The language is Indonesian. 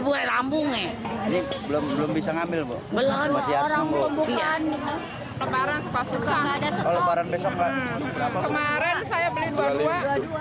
kalau orang membuka kemarin saya beli dua dua